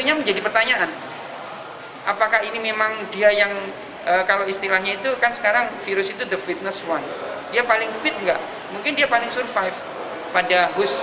masih diperlakukan penelitian lebih lanjut untuk melihat seberapa cepat mutasi gen yang menyebar di masyarakat